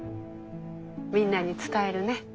みんなに伝えるね。